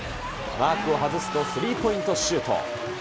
マークを外すとスリーポイントシュート。